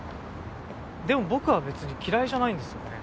でも僕は別に嫌いじゃないんですよね。